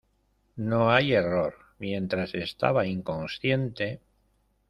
no hay error. mientras estaba inconsciente